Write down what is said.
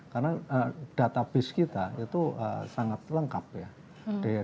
karena database kita itu sangat lengkap ya